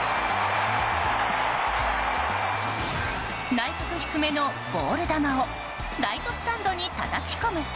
内角低めのボール球をライトスタンドにたたき込むと。